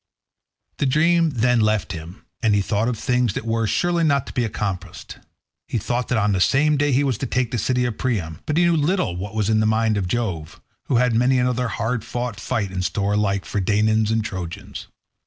The dream then left him, and he thought of things that were surely not to be accomplished. He thought that on that same day he was to take the city of Priam, but he little knew what was in the mind of Jove, who had many another hard fought fight in store alike for Danaans and Trojans.